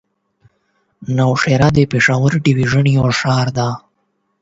نوشهره د پېښور ډويژن يو ښار دی.